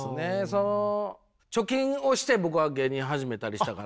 貯金をして僕は芸人始めたりしたから。